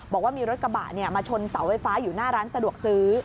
บอกว่ามีรถกระบะมาชนเสาไฟฟ้าอยู่หน้าร้านสะดวกซื้อ